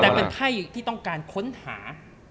แต่เป็นไพ่ที่ต้องการค้นหา